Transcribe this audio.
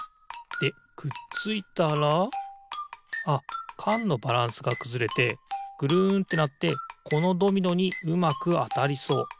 でくっついたらあっかんのバランスがくずれてぐるんってなってこのドミノにうまくあたりそう。